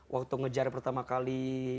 waktu ngejar pertama kali